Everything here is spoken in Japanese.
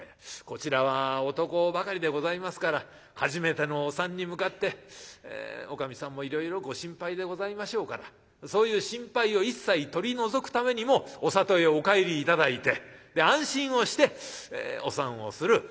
こちらは男ばかりでございますから初めてのお産に向かっておかみさんもいろいろご心配でございましょうからそういう心配を一切取り除くためにもお里へお帰り頂いて安心をしてお産をする。